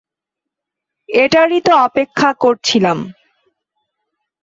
এটারই তো অপেক্ষা করছিলাম!